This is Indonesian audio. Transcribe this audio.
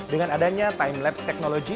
dengan adanya time laps technology